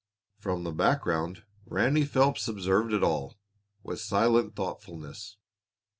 From the background Ranny Phelps observed it all with silent thoughtfulness.